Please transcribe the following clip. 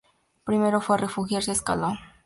Primero fue a refugiarse a Ascalón.